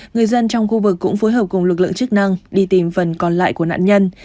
người dân trong khu vực cũng phối hợp cùng lực lượng chức năng đi tìm phần còn lại của nạn nhân